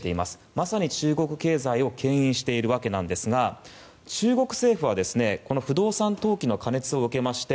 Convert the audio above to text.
まさに中国経済をけん引しているわけなんですが中国政府は不動産投機の過熱を受けまして